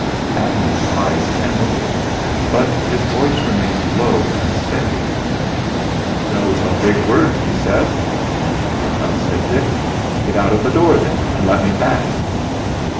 Abner's eyes kindled, but his voice remained low and steady. "Those are big words," he said. "Well," cried Dix, "get out of the door then and let me pass!"